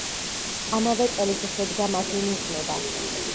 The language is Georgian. ამავე წელს შედგა მათი ნიშნობა.